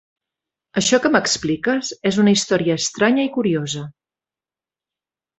Això que m'expliques és una història estranya i curiosa.